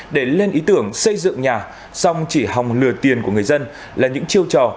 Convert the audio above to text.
để lên ý tưởng xây dựng nhà song chỉ hòng lừa tiền của người dân là những chiêu trò